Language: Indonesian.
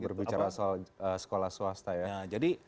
berbicara soal sekolah swasta ya jadi